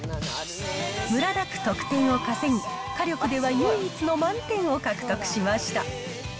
むらなく得点を稼ぎ、火力では唯一の満点を獲得しました。